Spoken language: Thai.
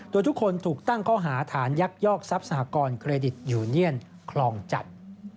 โดยทุกคนถูกตั้งข้อหาฐานยักยอกทรัพย์สหกรณ์เครดิตยูเนียนคลองจัด